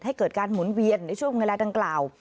ให้เกิดการหมุนเวียนในช่วงเวลาดังกล่าว